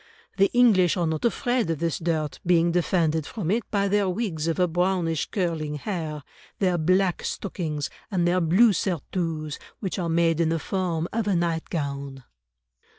The English are not afraid of this dirt, being defended from it by their wigs of a brownish curling hair, their black stockings, and their blue surtouts, which are made in the form of a nightgown."